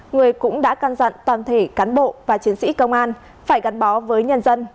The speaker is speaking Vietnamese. người cũng đã căn dặn toàn thể cán bộ và chiến sĩ công an phải gắn bó với nhân dân